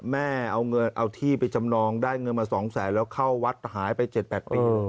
แม่เอาเงินเอาที่ไปจำนองได้เงินมา๒แสนแล้วเข้าวัดหายไป๗๘ปี